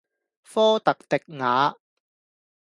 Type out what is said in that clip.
科特迪瓦